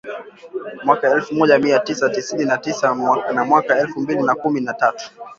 mwaka elfu moja mia tisa tisini na tisa na mwaka elfu mbili na kumi na tatu